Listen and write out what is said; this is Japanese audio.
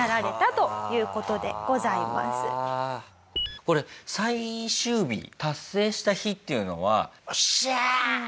これ最終日達成した日っていうのは。